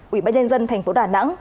ubnd tp đà nẵng